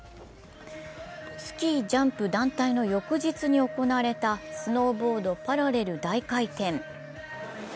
スキージャンプ団体の翌日に行われたスノーボードパラレル大回転。